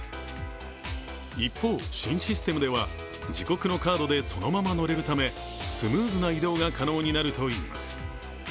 一方、新システムでは自国のカードでそのまま乗れるためスムーズな移動が可能になるといいます。